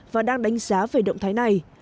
và đang đánh giá về động thái này